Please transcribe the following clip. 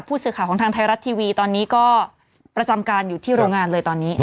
สื่อข่าวของทางไทยรัฐทีวีตอนนี้ก็ประจำการอยู่ที่โรงงานเลยตอนนี้